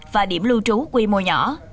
và điểm lưu trú quy mô nhỏ